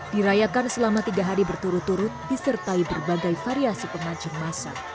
dirayakan selama tiga hari berturut turut disertai berbagai variasi pengancun masa